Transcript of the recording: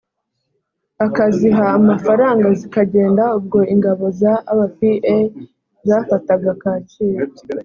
akaziha amafaranga zikagenda ubwo ingabo za rpa zafataga kacyiru